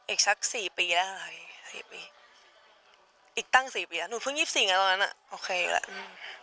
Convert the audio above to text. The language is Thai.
อีกชัก๔ปีแล้วอีกตั้ง๔ปีแล้วหนูเพิ่ง๒๔กันตอนนั้นโอเคอีกแล้ว